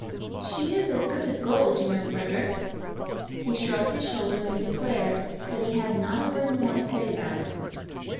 "She is as good as gold, you know, Frederic." He shrugged his shoulders, and declared that he had not a word more to say about it.